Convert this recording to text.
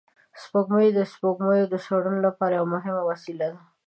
سپوږمۍ د سپوږمیزو څېړنو لپاره یوه مهمه وسیله ده